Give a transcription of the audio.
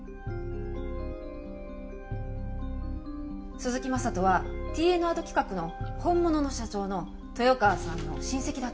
鈴木昌人はＴＮａｄ企画の本物の社長の豊川さんの親戚だったんです。